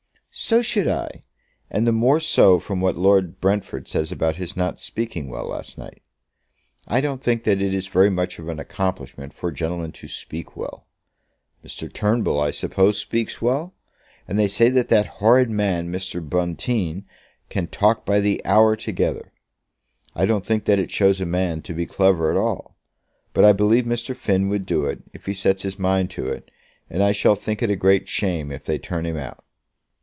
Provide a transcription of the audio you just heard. "So should I, and the more so from what Lord Brentford says about his not speaking well last night. I don't think that it is very much of an accomplishment for a gentleman to speak well. Mr. Turnbull, I suppose, speaks well; and they say that that horrid man, Mr. Bonteen, can talk by the hour together. I don't think that it shows a man to be clever at all. But I believe Mr. Finn would do it, if he set his mind to it, and I shall think it a great shame if they turn him out."